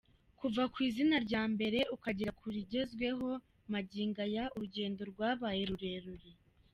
Kuva ku izina rya mbere ukagera ku rigezweho magingo aya, urugendo rwabaye rurerure.